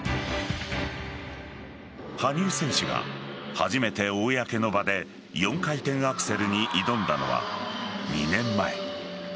羽生選手が初めて公の場で４回転アクセルに挑んだのは２年前。